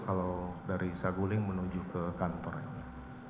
kalau dari saguling menuju ke kantornya